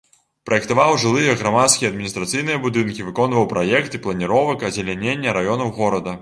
Праектаваў жылыя, грамадскія і адміністрацыйныя будынкі, выконваў праекты планіровак азелянення раёнаў горада.